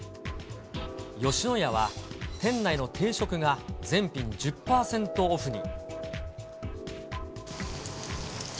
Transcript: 吉野家は、店内の定食が全品１０％オフに。